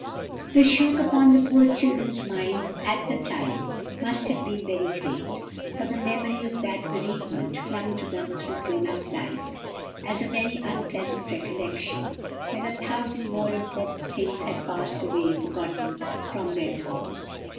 The shock upon the poor children's minds at the time must have been very great, for the memory of that bereavement clung to them through grown up life, as a very unpleasant recollection, when a thousand more important things had passed away forgotten from their thoughts.